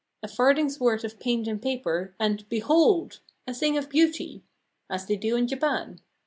A farthing's worth of paint and paper, and, behold! a thing of beauty! as they do in Japan.